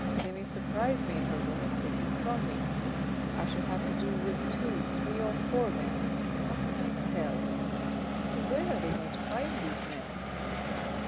They may surprise me in her room and take them from me. I shall have to deal with two, three, or four men. How can I tell ? But where are they going to find these men